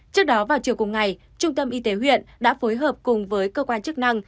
trước đó vào chiều cùng ngày trung tâm y tế huyện đã phối hợp cùng với cơ quan chức năng